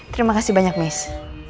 terima kasih banyak miss